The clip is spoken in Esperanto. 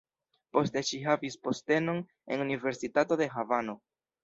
Poste ŝi havis postenon en universitato de Havano.